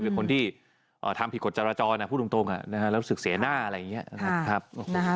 คือคนที่ทำผิดกฎจราจรพูดตรงแล้วรู้สึกเสียหน้าอะไรอย่างนี้นะครับ